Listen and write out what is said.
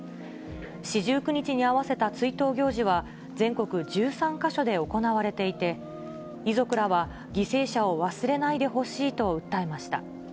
四十九日に合わせた追悼行事は、全国１３か所で行われていて、遺族らは犠牲者を忘れないでほしいと訴えました。